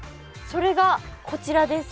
それがこちらです。